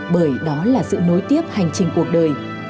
bởi đó là sự nối tiếp hành trình cuộc đời